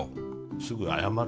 すぐ謝る。